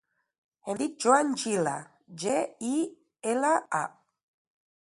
Em dic Joan Gila: ge, i, ela, a.